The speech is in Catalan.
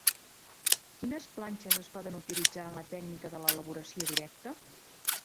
Quines planxes es poden utilitzar en la tècnica de l'elaboració directa?